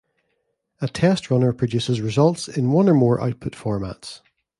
A test runner produces results in one or more output formats.